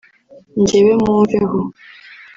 Njyewe mumveho